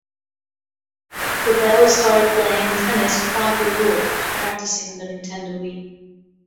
Babel started playing tennis at five years old after practicing on the Nintendo Wii.